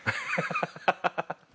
ハハハハッ。